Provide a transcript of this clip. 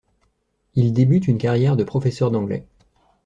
Il débute une carrière de professeur d'anglais.